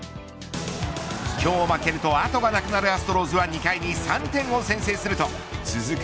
今日負けると後がなくなるアストロズは２回に３点を先制すると続く